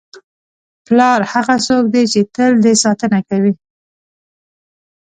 پلار هغه څوک دی چې تل دې ساتنه کوي.